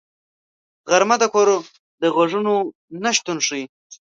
غرمه د کور د غږونو نه شتون ښيي